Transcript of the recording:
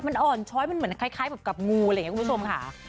มันอ่อนช้อยมันเหมือนคล้ายแบบกับงูอะไรอย่างนี้คุณผู้ชมค่ะ